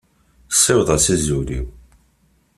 Siweḍ-as azul-iw.